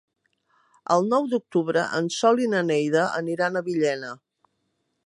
El nou d'octubre en Sol i na Neida aniran a Villena.